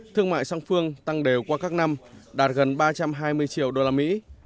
thương mại sang phương tăng đều qua các năm đạt gần ba trăm hai mươi triệu usd năm hai nghìn một mươi bảy